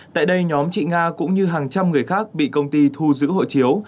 tại đây nhóm chị nga cũng như hàng trăm người khác bị công ty thu giữ hộ chiếu